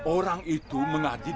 orang itu mengaji dengan jahat